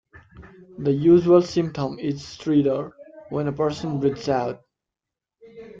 The usual symptom is stridor when a person breaths out.